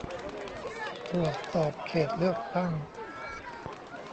ตรวจสอบเขตเลือกตั้ง